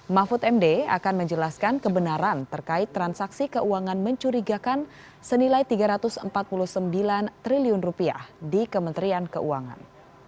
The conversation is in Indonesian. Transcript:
mahfud md akan menjelaskan kebenaran terkait transaksi keuangan mencurigakan senilai rp tiga ratus empat puluh sembilan triliun di kementerian keuangan